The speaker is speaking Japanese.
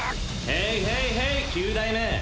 ヘイヘイヘイ九代目！